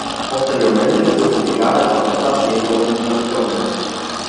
Posteriormente fue publicada con otras denominaciones.